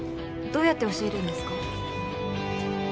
どうやって教えるんですか？